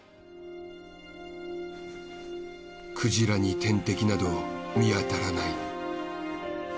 クジラに天敵など見当たらない。